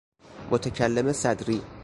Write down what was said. متکلم صدری